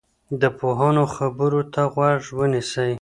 د پوهانو خبرو ته غوږ ونیسئ.